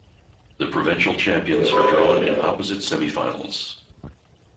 The provincial champions are drawn in opposite semi-finals.